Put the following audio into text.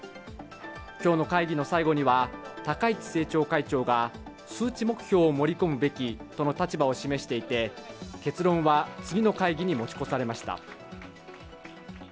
今日の会議の最後には高市政調会長が数値目標を盛り込むべきとの立場を示していて、結論は次の会議に持ち越されました。